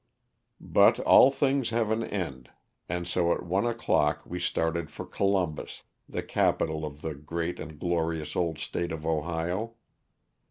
But all things have an end, and so at one o'clock we started for Columbus, the capital of the great and glorious old state of Ohio.